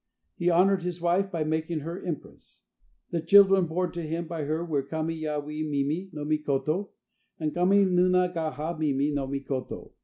He honored his wife by making her empress. The children born to him by her were Kami ya wi Mimi no Mikoto and Kami Nunagaha Mimi no Mikoto.